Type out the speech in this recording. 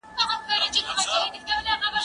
زه اوږده وخت نان خورم!؟